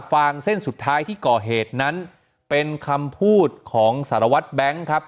ฟางเส้นสุดท้ายที่ก่อเหตุนั้นเป็นคำพูดของสารวัตรแบงค์ครับ